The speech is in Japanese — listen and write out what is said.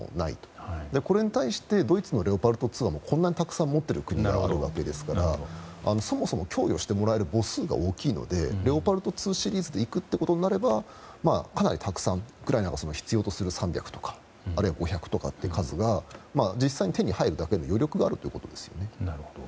これに対してドイツのレオパルト２はこんなにたくさん持っている国があるわけなのでそもそも供与してもらえる母数が大きいのでレオパルト２シリーズで行くとなればかなりたくさん、ウクライナが必要とする３００とかあるいは５００とかという数が実際に手に入るだけの余力があるということです。